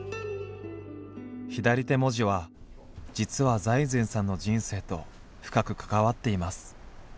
左手文字は実は財前さんの人生と深く関わっています。